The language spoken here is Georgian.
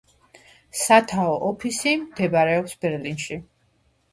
სათავო ოფისი მდებარეობს ბერლინში.